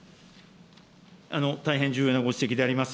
大変重要なご指摘であります。